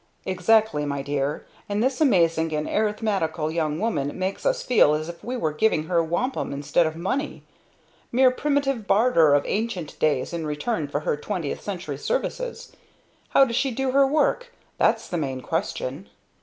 "Exactly, my dear. And this amazing and arithmetical young woman makes us feel as if we were giving her wampum instead of money mere primitive barter of ancient days in return for her twentieth century services! How does she do her work that's the main question."